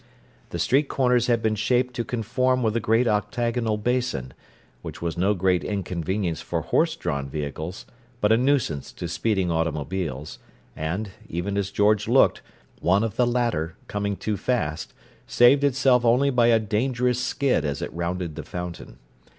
The street corners had been shaped to conform with the great octagonal basin, which was no great inconvenience for horse drawn vehicles, but a nuisance to speeding automobiles; and, even as George looked, one of the latter, coming too fast, saved itself only by a dangerous skid as it rounded the fountain.